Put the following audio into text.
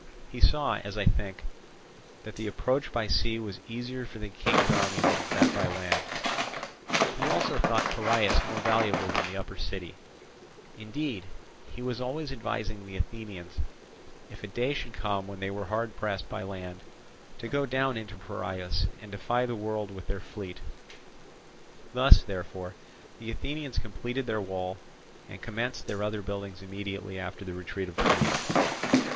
He saw, as I think, that the approach by sea was easier for the king's army than that by land: he also thought Piraeus more valuable than the upper city; indeed, he was always advising the Athenians, if a day should come when they were hard pressed by land, to go down into Piraeus, and defy the world with their fleet. Thus, therefore, the Athenians completed their wall, and commenced their other buildings immediately after the retreat of the Mede.